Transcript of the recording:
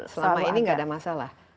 selama ini tidak ada masalah